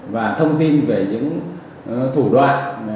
và thông tin về những thủ đoạn